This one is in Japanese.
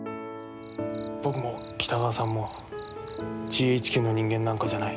僕も北川さんもＧＨＱの人間なんかじゃない。